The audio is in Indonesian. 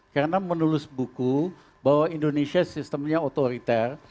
karena menulis buku bahwa indonesia sistemnya otoriter